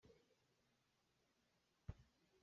Thaizaanlei cu ka hawile rawl ei ka sawm hna lai.